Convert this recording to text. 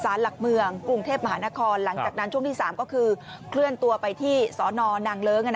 หลักเมืองกรุงเทพมหานครหลังจากนั้นช่วงที่๓ก็คือเคลื่อนตัวไปที่สนนางเลิ้ง